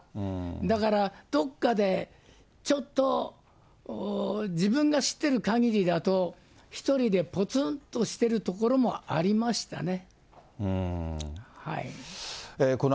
だから、どっかでちょっと、自分が知ってるかぎりだと、１人でぽつんとしてるところもありましたね。